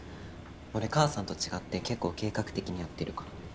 俺母さんと違って結構計画的にやってるから。